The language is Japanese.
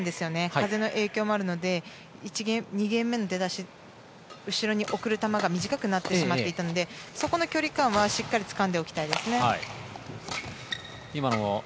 風の影響もあるので２ゲーム目の出だし後ろに送る球が短くなってしまっていたのでそこの距離感はしっかりつかんでおきたいですね。